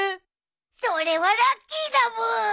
それはラッキーだブー。